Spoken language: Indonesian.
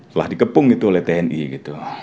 telah dikepung gitu oleh tni gitu